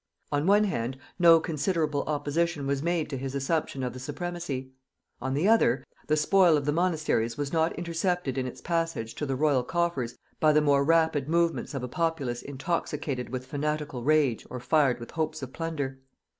On one hand, no considerable opposition was made to his assumption of the supremacy; on the other, the spoil of the monasteries was not intercepted in its passage to the royal coffers by the more rapid movements of a populace intoxicated with fanatical rage or fired with hopes of plunder.